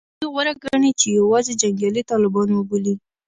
دوی غوره ګڼي چې یوازې جنګیالي طالبان وبولي